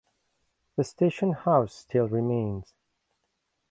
The station house still remains.